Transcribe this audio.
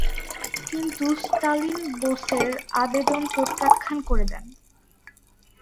কিন্তু স্টালিন বোসের আবেদন প্রত্যাখ্যান করে দেন।